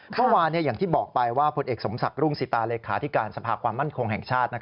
เมื่อวานอย่างที่บอกไปว่าผลเอกสมศักดิรุ่งสิตาเลขาธิการสภาความมั่นคงแห่งชาติ